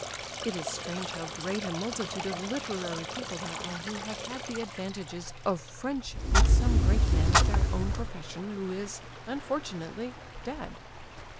(It is strange how great a multitude of literary people there are who have had the advantages of friendship with some great man of their own profession who is, unfortunately, dead.)